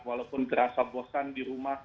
walaupun kerasa bosan di rumah